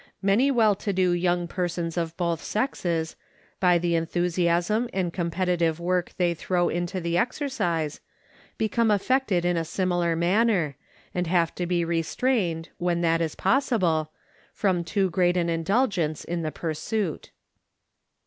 Many well to do young persons of both sexes, by the enthusiasm and competitive work they throw into the exercise, become affected in a similar manner, and have to be restrained, when that is possible, from too great an indulgence in the pursuit.